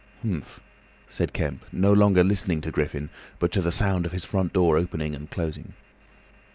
"Humph!" said Kemp, no longer listening to Griffin but to the sound of his front door opening and closing.